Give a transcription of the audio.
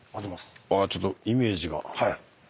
ちょっとイメージが。